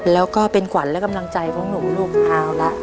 แล้วก็เป็นขวัญและกำลังใจของหนูลูกเอาละ